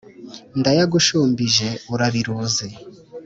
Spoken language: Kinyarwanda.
Ndayagushumbije urabiruzi!